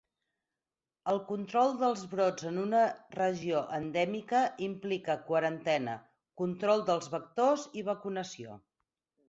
El control dels brots en una regió endèmica implica quarantena, control dels vectors i vacunació.